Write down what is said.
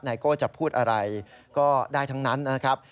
โก้จะพูดอะไรก็ได้ทั้งนั้นนะครับ